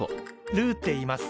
ルーって言います。